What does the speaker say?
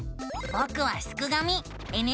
ぼくはすくがミ。